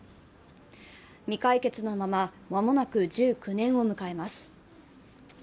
未解決のまま間もなく１９年を迎えます。